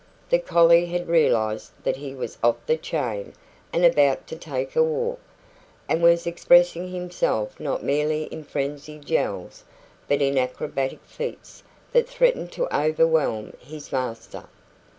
The collie had realised that he was off the chain and about to take a walk, and was expressing himself not merely in frenzied yells, but in acrobatic feats that threatened to overwhelm his master.